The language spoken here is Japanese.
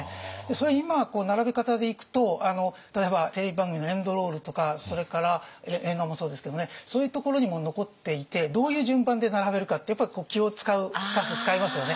それ今並べ方でいくと例えばテレビ番組のエンドロールとかそれから映画もそうですけれどもねそういうところにも残っていてどういう順番で並べるかってやっぱ気を遣うスタッフ遣いますよね。